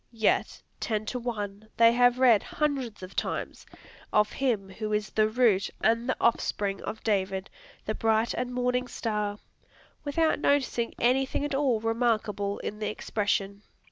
Yet, ten to one, they have read, hundreds of times, of him who is "the root and the offspring of David, the bright and morning star," without noticing anything at all remarkable in the expression.